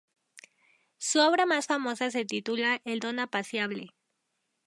Su obra más famosa se titula "El Don apacible".